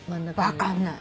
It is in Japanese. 分かんない。